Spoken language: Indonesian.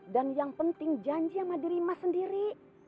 dan yang penting janji sama diri mas sendiri